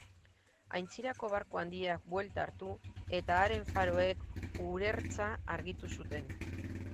Aintzirako barku handiak buelta hartu eta haren faroek urertza argitu zuten.